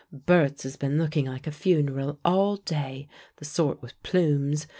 Berts has been looking like a funeral all day, the sort with plumes.